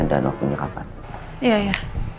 dan waktunya kapan iya iya